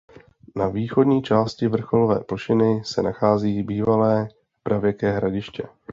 Na východní části vrcholové plošiny se nachází bývalé pravěké hradiště.